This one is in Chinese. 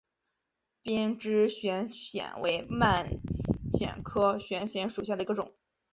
鞭枝悬藓为蔓藓科悬藓属下的一个种。